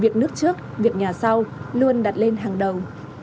trước việc nhà sau luôn đặt lên hàng đầu